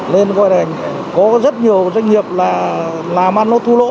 nên gọi là có rất nhiều doanh nghiệp là làm ăn nó thu lỗ